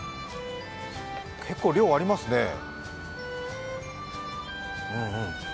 結構、量ありますね。